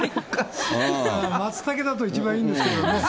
マツタケだと一番いいんですけどね。